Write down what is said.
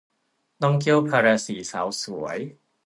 ต้องเกี้ยวพาราสีสาวสวย